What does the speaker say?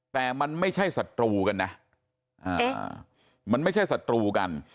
แต่มันไม่ใช่ศัตรูกันนะมันไม่ใช่ศัตรูกัน